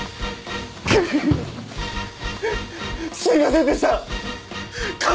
すいませんでした。